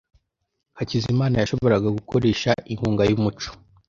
Hakizimana yashoboraga gukoresha inkunga yumuco.